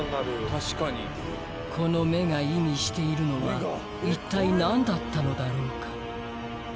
確かにこの目が意味しているのは一体何だったのだろうか？